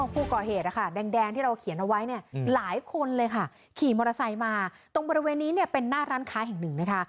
ผู้ก่อเหตุนะคะแดงที่เราเขียนเอาไว้เนี่ยหลายคนเลยค่ะขี่มอเตอร์ไซค์มาตรงบริเวณนี้เนี่ยเป็นหน้าร้านค้าแห่งหนึ่งนะคะ